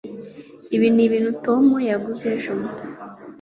ibi nibintu tom yaguze ejo